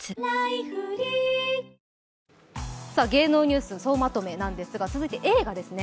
芸能ニュース総まとめなんですが続いて映画ですね。